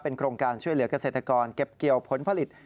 โครงการช่วยเหลือกเกษตรกรเก็บเกี่ยวผลผลิต